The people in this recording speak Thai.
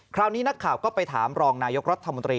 คราวนี้นักข่าวก็ไปถามรองนายกรัฐมนตรี